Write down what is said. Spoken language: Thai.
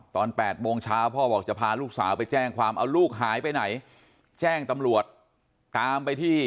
ตอน๘โมงเช้าพ่อบอกจะพาลูกสาวไปแจ้งความ